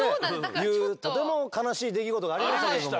とても悲しい出来事がありましたけれども。